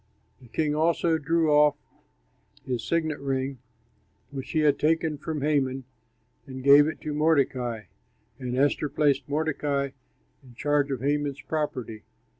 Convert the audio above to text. The king also drew off his signet ring, which he had taken from Haman, and gave it to Mordecai; and Esther placed Mordecai in charge of Haman's property.